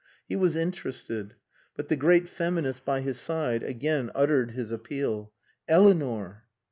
He was interested. But the great feminist by his side again uttered his appeal "Eleanor!"